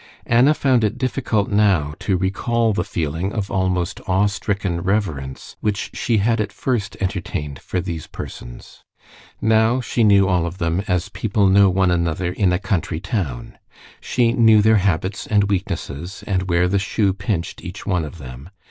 Anna found it difficult now to recall the feeling of almost awe stricken reverence which she had at first entertained for these persons. Now she knew all of them as people know one another in a country town; she knew their habits and weaknesses, and where the shoe pinched each one of them.